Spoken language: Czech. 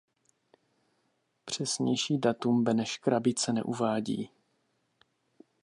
Přesnější datum Beneš Krabice neuvádí.